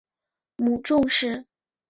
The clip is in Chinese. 母仲氏。